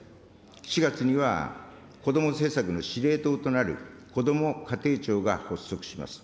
４月には、こども政策の司令塔となるこども家庭庁が発足します。